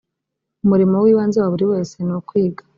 umurimo w ibanze wa buri wese nukwiga